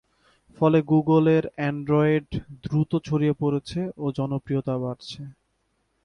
ফলে গুগলের অ্যান্ড্রয়েড দ্রুত ছড়িয়ে পড়ছে ও জনপ্রিয়তা বাড়ছে।